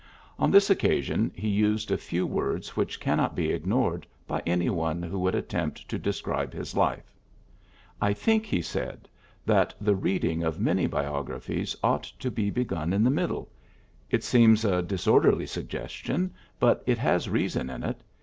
On this occa sion he used a few words which cannot be ignored by any one who would at tempt to describe his life. ^^ I think, ^^ he said, ^Hhat the reading of many biog raphies ought to be begun in the middle. It seems a disorderly suggestion, but it has reason in it.